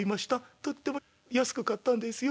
とっても安く買ったんですよ。